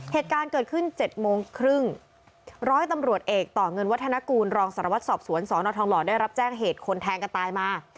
เหตุการณ์เกิดขึ้นเจ็ดโมงครึ่งร้อยตำรวจเอกต่อเงินวัฒนกูลรองสารวัตรสอบสวนสอนอทองหล่อได้รับแจ้งเหตุคนแทงกันตายมา